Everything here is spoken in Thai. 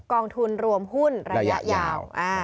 กองทุนรวมหุ้นระยะยาว